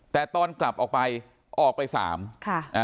แต่ตอนกลับออกไปออกไป๓ค่ะ